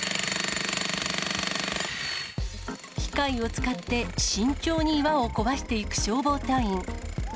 機械を使って慎重に岩を壊していく消防隊員。